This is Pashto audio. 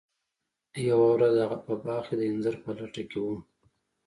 یوه ورځ هغه په باغ کې د انځر په لټه کې و.